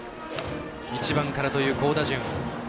１番からという好打順。